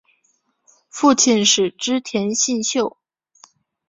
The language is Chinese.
父亲是织田信秀。